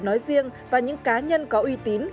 nói riêng và những cá nhân có uy tín